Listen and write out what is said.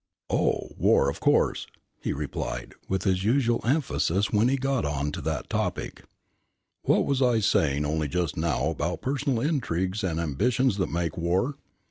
"Oh, war, of course!" he replied, with his usual emphasis when he got on to that topic. "What was I saying only just now about personal intrigues and ambitions that make war?